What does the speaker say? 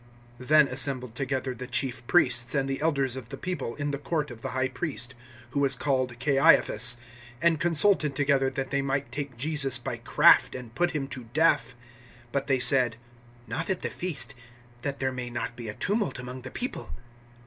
(3)Then assembled together the chief priests, and the elders of the people, in the court of the high priest, who was called Caiaphas, (4)and consulted together that they might take Jesus by craft, and put him to death. (5)But they said: Not at the feast, that there may not be a tumult among the people.